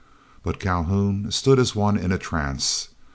But Calhoun stood as one in a trance.